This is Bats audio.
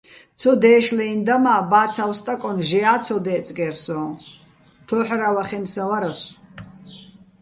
ცო დე́შლაჲნი̆ და მა́, ბა́ცავ სტაკონ, ჟეა́ ცო დე́წგე́რ სოჼ, თოჰ̦რა́ვახენსაჼ ვარასო̆.